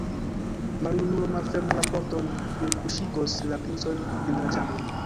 Maljunulo, malfermu la pordon, ni kuŝigos la princon en la ĉambro!